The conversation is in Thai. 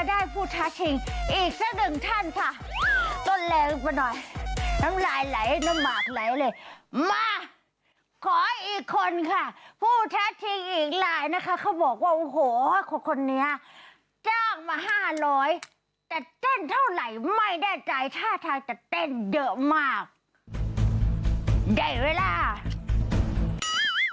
อีกซะหนึ่งท่านค่ะต้นแรงไปหน่อยน้ำลายไหลน้ำหมากไหลเลยมาขออีกคนค่ะผู้แท็กทิ้งอีกรายนะคะเขาบอกว่าโอ้โหคนเนี้ยจ้างมาห้าร้อยแต่เต้นเท่าไหร่ไม่แน่ใจท่าทางจะเต้นเดอะมากเด่นเวลาโอ๊ยแบตเถิล